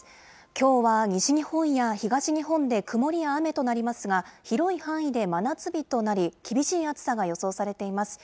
きょうは西日本や東日本で曇りや雨となりますが、広い範囲で真夏日となり、厳しい暑さが予想されています。